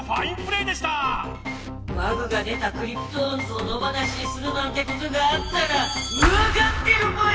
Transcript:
バグが出たクリプトオンズを野ばなしにするなんてことがあったらわかってるぽよ？